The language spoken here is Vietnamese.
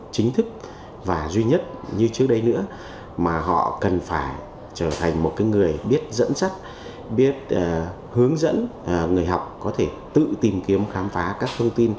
chính thức và duy nhất như trước đây nữa mà họ cần phải trở thành một người biết dẫn dắt biết hướng dẫn người học có thể tự tìm kiếm khám phá các thông tin